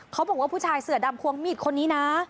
เขาบอกว่าผู้ชายเสือดำควงมีดคนนี้นะ